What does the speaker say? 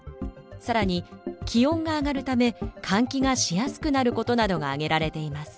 更に気温が上がるため換気がしやすくなることなどが挙げられています。